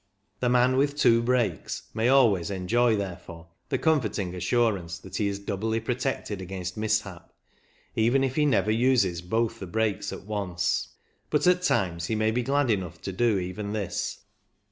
The man with two brakes may always enjoy, therefore, the comforting assurance that he is doubly protected against mishap, even if he never uses both the brakes at once ; but at times he may be glad enough to do even this.